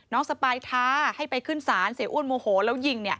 สปายท้าให้ไปขึ้นศาลเสียอ้วนโมโหแล้วยิง